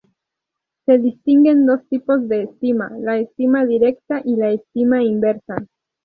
Se distinguen dos tipos de estima: la "estima directa" y la "estima inversa".